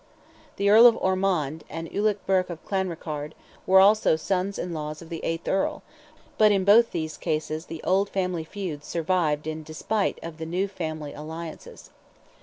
The Earl of Ormond, and Ulick Burke of Clanrickarde, were also sons in law of the eighth Earl, but in both these cases the old family feuds survived in despite of the new family alliances.